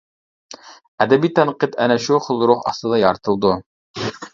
ئەدەبىي تەنقىد ئەنە شۇ خىل روھ ئاستىدا يارىتىلىدۇ.